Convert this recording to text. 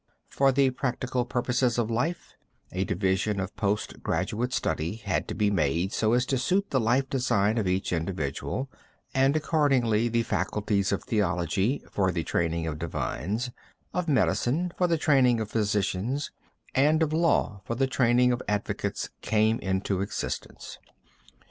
For the practical purposes of life, a division of post graduate study had to be made so as to suit the life design of each individual, and accordingly the faculties of theology, for the training of divines; of medicine, for the training of physicians; and of law, for the training of advocates, came into existence.